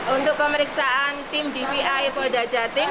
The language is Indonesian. untuk pemeriksaan tim dvi polda jatim